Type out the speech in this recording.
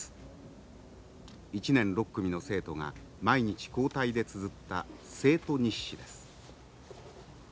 １年６組の生徒が毎日交代でつづった生徒日誌です。